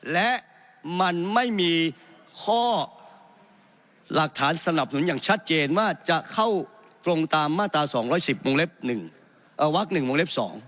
และมันไม่มีข้อหลักฐานสนับสนุนอย่างชัดเจนว่าจะเข้าตรงตามมาตรา๒๑๐วงเล็บ๑วัก๑วงเล็บ๒